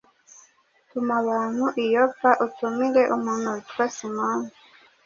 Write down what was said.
Tuma abantu i Yopa, utumire umuntu witwa Simoni.”